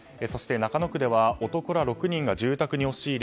中野区では男ら６人が住宅に押し入り